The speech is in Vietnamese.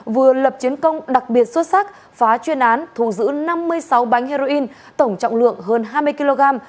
vừa lập chiến công đặc biệt xuất sắc phá chuyên án thù giữ năm mươi sáu bánh heroin tổng trọng lượng hơn hai mươi kg